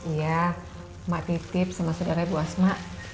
iya mak titip sama saudaranya bu asma